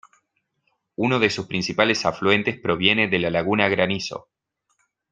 Uno de sus principales afluentes proviene de la laguna Granizo.